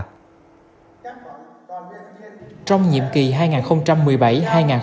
trong nhiệm kỳ hai nghìn một mươi bảy hai nghìn hai mươi